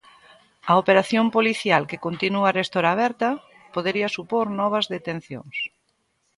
A operación policial, que continúa arestora aberta, podería supor novas detencións.